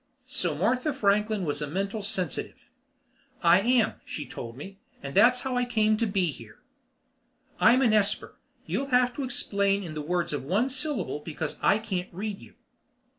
So Martha Franklin was a mental sensitive. "I am," she told me. "That's how I came to be here." "I'm esper. You'll have to explain in words of one syllable because I can't read you."